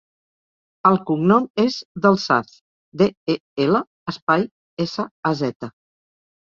El cognom és Del Saz: de, e, ela, espai, essa, a, zeta.